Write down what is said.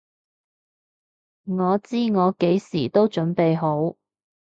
我知我幾時都準備好！